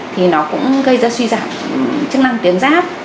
thì nó cũng gây ra suy giảm chức năng tuyến giáp